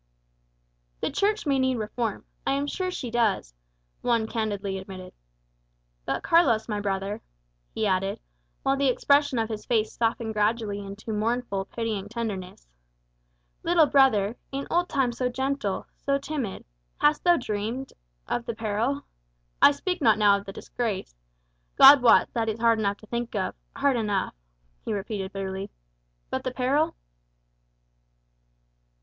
"The Church may need reform. I am sure she does," Juan candidly admitted. "But Carlos, my brother," he added, while the expression of his face softened gradually into mournful, pitying tenderness, "little brother, in old times so gentle, so timid, hast thou dreamed of the peril? I speak not now of the disgrace God wot that is hard enough to think of hard enough," he repeated bitterly. "But the peril?"